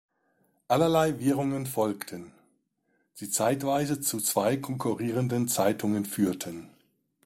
Allerlei Wirrungen folgten, die zeitweise zu zwei konkurrierenden Zeitungen führten.